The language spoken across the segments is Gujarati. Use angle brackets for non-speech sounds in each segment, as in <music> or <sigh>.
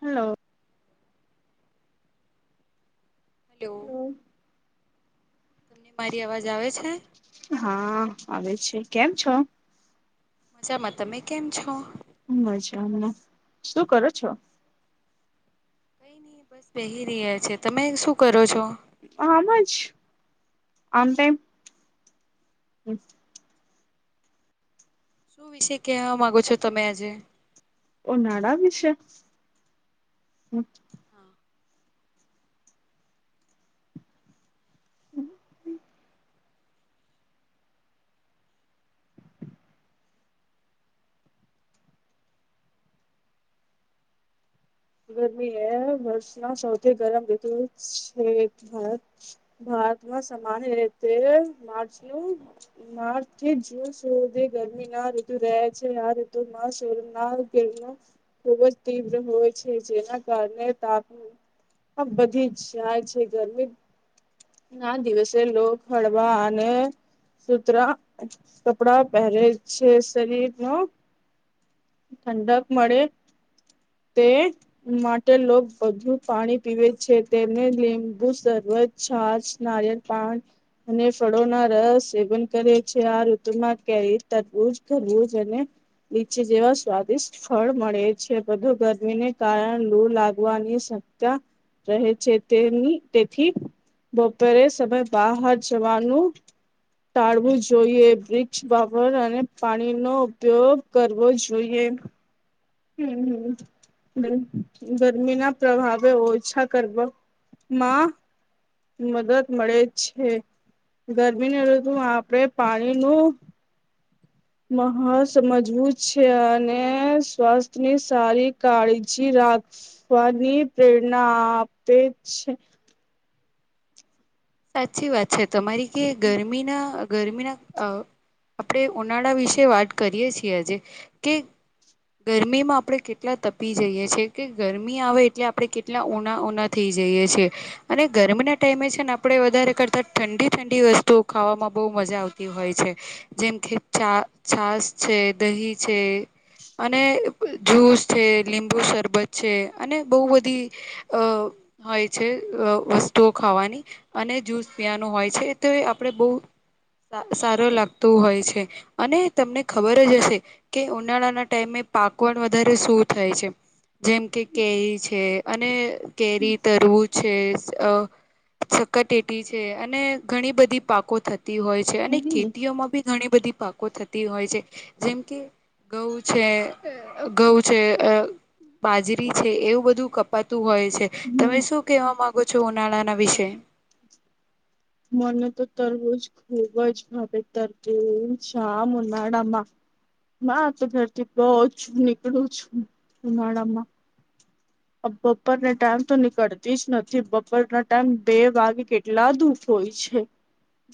હલો. હલો. તમને મારી અવાજ આવે છે? હા, આવે છે. કેમ છો? મજામાં. તમે કેમ છો? છે. હમણા શું કરો છો? કઈ નહી બસ વહી રહ્યા છે. તમે શું કરો છો? આમ જ આમ ટાઈ શું વિષે કેવા માંગો છો, તમે આજે? ઉનાડા વિશે હ. ગરમી, હ, વર્ષમાં સૌથી ગરમ ઋતુ છે, ભારત ભારતમાં સામાન્ય રીતે માર્ચું માર્ચ થી જૂન સુધે ગરમી ના ઋતુ રહે છે આ ઋતુ <unintelligible> કિર ખુબ જ તીવ્ર હોય. જેના કારણે તાપ આ બધી જાય છે ગરમી. ના દિવસે લોક હળવા અને સુતરા કપડાં પહેરે છે, શરીર ન ઠંડક મળે તે માટે લો બધું પાણી પીવે છે તેને લીંબુ સવત છાચ નરિયેલ પાણ અને ફળો ના રસ સેવન કરે છે આ ઋતુમાં કેરી તરવું જ કરરવું જ અને લીચે જેવા સ્વાદિષ્ટ ફળ મળે છે બધું ગરમીને કારણે લૂ લાગવાની શકતા રહે છે તેની તેથી બપોરે સમય બહાર જવાનું ટાળવું જોઈએ વિક્ષ બાપર અને પાણી નો ઉપયોગ કરવો જોએ જોઈએ હમ હમ ગરમી ના પ્રભાવે ઓછા કરવા માં મદદ મળે છે ગરમીને ઋતુ આપણે પાણી નું મહ સમજવું છે અને સ્વાસ્થ્યની સારી કાળજી રાખ સ્વાની પ્રેરણા આપે છે સાચી વાત છે તમારી કે ગરમીના ગરમીના અ આપણે ઉનાળા વિશે વાત કરીએ છીએ આજે કે ગરમીમાં આપડણે કેટલા તપી જઈએ છીએ કે ગરમી આવે એટલે આપણે કે એટલા ઉના ઉના થઈ જઈએ છેએ અને ગરમીના ટાઈમે છે ને આપણે આપડણે વધારે કરતા ઠંડી ઠંડી વસ્તુઓ ખાવામાં બહુ મજા આવતી હોય છે. જેમ કે ચ છાસ છે દહી છે. અને જૂસ છે લીંબુ શરબત છે અને બહુ બધી અ હોય છે વસ્તુઓ ખાવાની અને જ્યુસ પીવાનું હોય છે તો આપણે બહુ સારો લાગતું હોય છે અને તમને ખબર જ હશે કે ઉનાળાના ટાઈમે પાકવન વધારે શું થાય છે જેમ કે કેરી છે અને કેરી તરવું છે કટેટી છે અને ઘણી બધી પાકો થતી હોય છે અને હમ ખેતીઓમાં બી ઘણી બધી પાકો થતી હોય છે જેમ કે ઘઉ છે ઘઉ છે અ બાજરી છે એવું બધું કપાતું હોય છે તમે હમ શું કેહેવા માંગો છો ઉનાળાના વિશે મન તો તરવોજ ખૂબ જ ભાબે ત તુ છા ઉનાડામાં તો ઘરથી બહો છું નીકળું છું ઉનાળા માં બપોરને ટાઈમ તો નીકળતી જ નથી બપોરના ટાઈમ બે વાગે કે કેટલા ધુપ હોય છે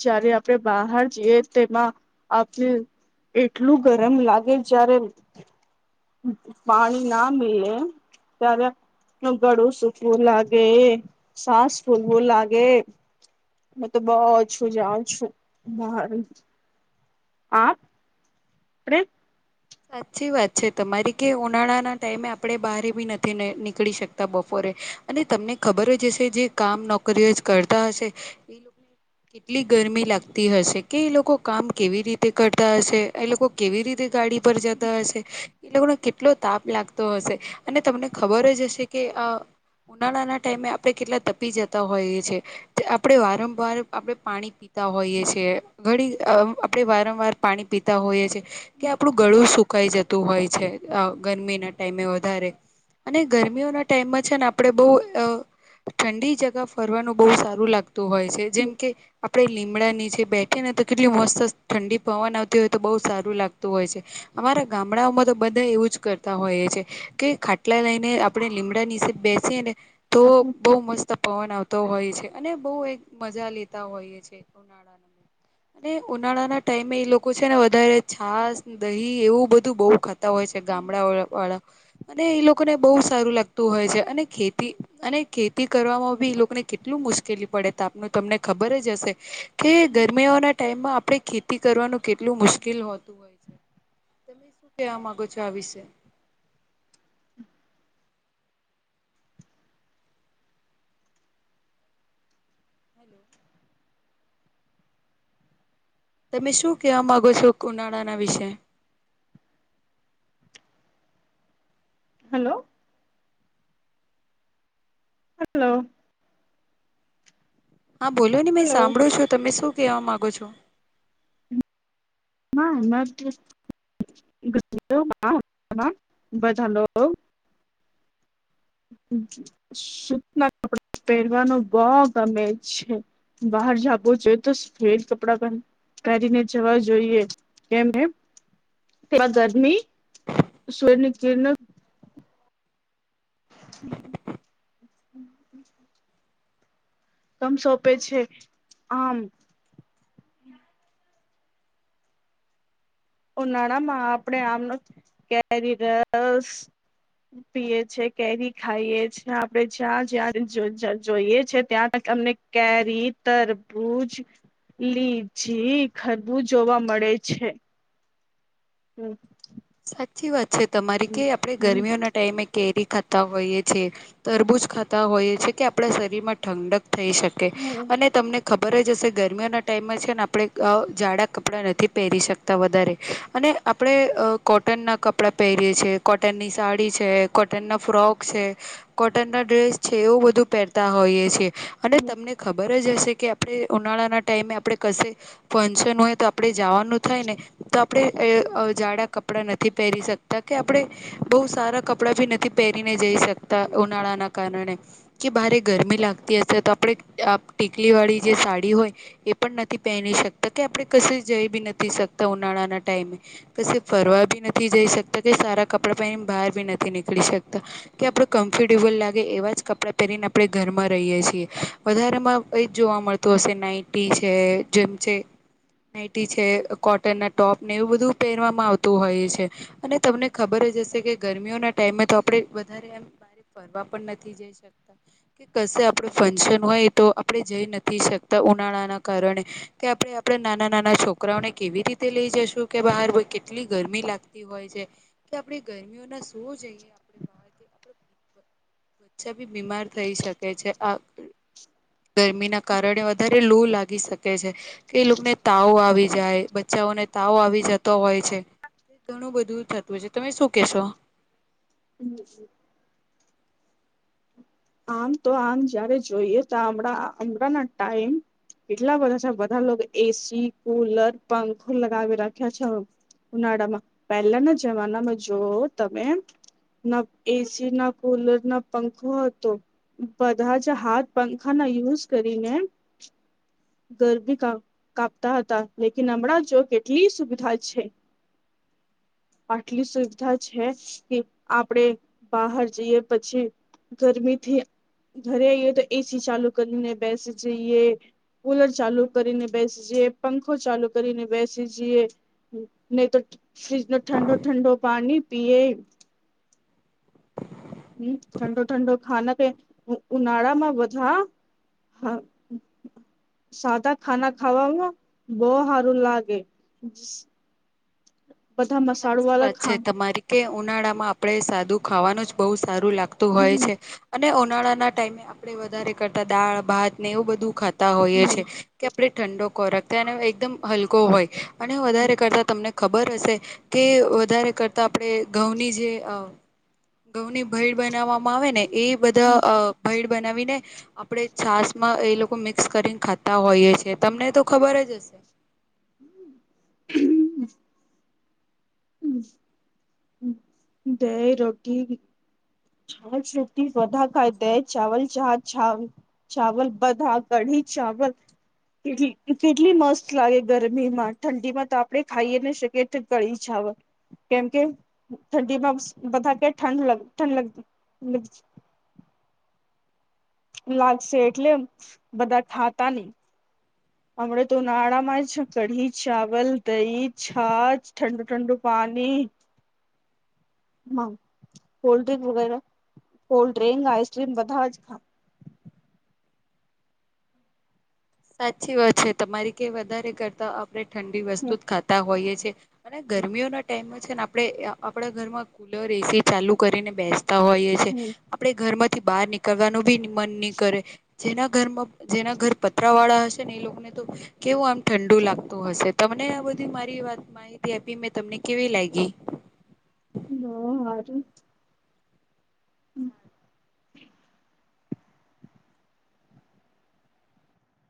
જયારે આપણે બહાર જઈએ તેમાં આપણે એટલું ગરમ લાગે જારે પાણી ના મીલે ત્યારે ગળું સુખવું લાગે સાસ ફૂલવું લાગે હ તો બઉ ઓ છું જાઉં છું બહાર આઠ <inaudible> સાચી વાત છે તમારી કે ઉનાળાના ટાઈમે આપડે બહાર બી નથી નીકળી શકતા બપોરે અને તમને ખબર જ હશે જે કામ નોકરીઓ જ કરતા હશે એ લોકો <inaudible> કેટલી ગરમી લાગતી હશે કે એ લોકો કામ કેવી રીતે કરતા હશે એ લોકો કેવી રીતે ગાડી ઉપર જતા હશે એ લોકોને કેટલો તાપ લાગતો હશે અને તમને ખબર જ હશે કે આ ઉનાળાના ટાઈમે આપણે કેટલા તપી જતા હોઈએ છીએ આપણે વારંવાર આપણે પાણી પીતા હોઈએ છે ઘડી આપણે વારંવાર પાણી પીતા હોઈએ છ છેએ કે આપડું ગળું સુકાઈ જતું હોય છે ગરમીના ટાઈમે વધારે અને ગરમીઓના ટાઈમમાં છે ને આપડે બહુ અ ઠંડી જગા ફરવાનું બહુ સારું લાગતું હોય છે જેમકે આપણે લીમડાની જે બેઠી ને તો કેટલી મસ્ત ઠંડી પવન આવતી હોય તો બહુ સારું લાગતું. હોય છે અમારા ગામડાઓમાં તો બધા એવું જ કરતા હોય છે. કે ખાટલા લઈને આપડણે લીમડા નીશે બેસીએ ને તો બહુ મસ્ત પવન આવતો હોય છે અને બહુ એક મજા લેતા હોઈએ છે ઉળ અને ઉનાળાના ટાઈમે એ લોકો છે ને વધારે. આસ દહી એવું બધું બહુ ખાતા હોય છે ગામડા વાળા. અને એ લોકોને બહુ સારું લાગતું હોય છે અને ખેતી અને ખેતી કરવામાં બી એ લોકોને કેટલું મુશ્કેલી પડે ત આપનું તમને ખબર જ હશે. કે ગરમીઓના ટાઈમમાં આપણે ખેતી કરવાનું કેટલું મુશ્કેલ હોતું. તમે શું કેવા માંગો છો આ વિશે તમે શું કેવા માંગો છો ઉનાળાના વિશે હલો. હલો. હા બોલો ને મેં હલો સાંભળો છો તમે શું કહેવા માગો છો. હ <unintelligible> એમાં <inaudible> બધાલો. સુતના કપડા પહેરવાનો બો ગમે છે. બહાર જાવો છે તો સફેદ કપડા પહરી કરીને જવા જોઈએ કેમ કેમ તે ગરમી સૂર્ય ની કિરણો હ. કમ સોંપે છે આમ ઉ નાળમાં આપડે આમનો કેરી રસ પીએ છે કેરી ખાઈએ છે આપડણે જ્યાં જ્યાં જ જોઈએ છે ત્યાં તમને કેરી, તરબૂજ. લીચી ખરબું જોવા મળે છે. હમ. સાચી વાત છે તમારી કે આપણે ગરમીઓના ટાઈમે કેરી ખાતા હોઈએ છેએ તરબૂજ ખાતા હોઈએ છે કે આપણા શરીરમાં ઠંડક થઈ શકે અને તમને ખબર જ હશે ગરમીઓના ટાઈમમાં છે ને આપણે ઝાડાં કપડાં નથી પહેરી શકતા વધારે અને આપણે કોટનનાં કપડાં પહેરીએ છીએ કોટનની સાડી છે, કોટનના ફ્રોક છે. કોટન ના ડ્રેસ છે એવું બધું પહેરતા હોઈએ છે. અને તમને ખબર જ હશે કે આપણે ઉનાળાના ટાઈમે આપણે કશે ફંક્શન હોય તો આપણે જવાનું થાય ને તો આપણે જાડા કપડાં નથી પહેરી શકતા કે આપણે બહુ સારા કપડા ભી નથી પહેરીને જઈ શકતા ઉનાળા ના કારણે કે ભારે ગરમી લાગતી હશે તો આપણે આ ટીકલીવાળી જે સાડી હોય. એ પણ નથી પહેરી શકતા કે આપણે ક જઈ બી નથી શકતા ઉનાળાના ટાઈમે કશે ફરવા બી નથી જઈ શકતા કે સારા કપડાં પહેને બહાર બી નથી નીકળી શકતા. કે આપડે કમ્ફર્ટેબલ લાગે એવા જ કપડાં પહેરીને આપણે ઘરમાં રહીએ છીએ વધારેમાં એજ જોવા મળત તો સેનાઇટી છે જેમ છે નાઈટી છે, કોટન ના ટોપ ને એવું બધું પહેરવામાં આવતું તો હોય છે અને તમને ખબર જ હશે કે ગરમીઓના ટાઈમે તો આપણે વધારે એમ બરે ફરવા પણ નથી જઈ શકતા. કે કશે આપડ ફંક્શન હોય તો આપણે જઈ નથી શકતા ઉનાળા ના કારણે કે આપડણે આપડ નાના નાના છોકરાઓને કેવી રીતે લઈ જશું કે બહાર એટલી ગરમી લાગતી હોય છે કે આપડી ગરમીઓના શું જઈએ <unintelligible> બચ્ચા બી બીમાર થઈ શકે છે આ ગરમી ના કારણે વધારે લૂ લાગી શકે છે કે એ લોકોને તાવ આવી જાય બચ્ચાઓને તાવ આવી જતો હોય છે ઘણું બધું થતું હોય છે તમે શું કેશો. હમ્મ બીજું. આમ તો આમ જયારે જોઈએ તો હમણાં હમણાં ના ટાઈમ કેટલા બધા છે બધા લોકો એસી, કુલર, પંખો લગાવી રાખ્યા છે. ઉનાળામાં પહેલાના જમાનામાં જો તમે ના એસી, ના કુલર, ના પંખો હત તો બધા જ હાથ પંખાના યુઝ કરીને ગરબી કામ કાપતા હતા. લેકિન હમણાં જો કેટલી સુવિધા છે. આટલી સુવિધા છે કે આપડે બહાર જઈએ પછી ગરમીથી ઘરે આવીઈએ તો એસી ચાલુ કરીને બેસી જઈએ. કુલર ચાલુ કરીને બેસી જઈએ, પંખો ચાલુ કરીને બેસી જઈએ. નહી તો ફ્રીજનો ઠંડો-ઠંડો પાણી પીએ. હમ્મ ઠંડો-ઠંડો ખાના કે ઉનાળા માં વધા હા. સાદા ખાના ખાવામાં બો હારું લાગે. બધા મસાડું સાચી વાળા વાત ખા છે તમારી કે ઉનાળા માં આપણે સાદું ખાવાનું જ બહુ સારું લાગતું હોય હમ છે. અને ઉનાળાના ટાઈમે આપડણે વધારે કરતા દાળ ભાત ને એવું બધું ખાતા ખાતા હોયે છે. કે આપણે ઠંડો કોરાક એકદમ હલકો હોય અને વધારે કરતા તમને ખબર હશે કે વધારે કરતા આપણે ઘઉંની જે અ ઘઉંની ભઈડ બનાવવામાં આવે ને. એ બધા અ ભૈડ બનાવી ને આપણે છાસમાં એ લોકો મિક્સ કરીને ખાતા હોઈએ છેએ તમને તો ખબર જ હશે. <unintelligible> હમ્મ દહીં, રોટલી છાસ રોટી વધા ખાઈધે ચાવલ ચા છાસ ચાવલ બધા કઢી ચાવલ કેટલી કેટલી મસ્ત લાગે ગરમીમાં ઠંડીમાં તો આપડે ખાઈએ ન શકીએ. કઢી ચાવલ કેમકે ઠંડીમાં બધા કે ઠંડ લ ઠંડ લગ લગ છે. લાગશે એટલે બધા ખાતા નહી. હમણા તો ઉનાળામાં જ કઢી, ચાવલ, દહી, છાસ ઠંડુ-ઠંડુ પાણી. હમ્મ કોલ્ડ ડ્રિંક વગેરે કોલ્ડ્રિંક, આઈસ્ક્રીમ બધા જ ખા સાચી વાત છે તમારી કે વધારે કરતા આપણે ઠંડી વસ્તુ જ ખાતા હોઈએ છે. અને ગરમીઓના ટાઈમમાં છે ને આપણે અ આપણા ઘરમાં કુલર એસી ચાલુ કરીને બેસ તા હોઈએ છે. આપણે ઘરમાંથી બહાર નીકળવાનું બી મન નહી કરે જેના ઘરમાં જેના ઘર પ કચરા વાળા હશે ને એ લોકોને તો કેવું આમ ઠંડુ લાગતું હશે તમને આ બધી મારી વાત મા માહિતી આપી મેં તમને કેવી લાઈગી. બ વાાર <unintelligible> હમ્મ